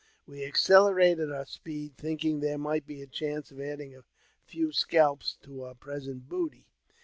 We accelerated our speed, thinking there might be a chance of adding a few scalps to oui' present booty.